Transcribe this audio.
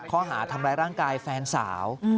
ข้อหาทำร้ายร่างกายแฟนสาว